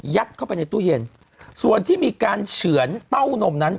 เข้าไปในตู้เย็นส่วนที่มีการเฉือนเต้านมนั้น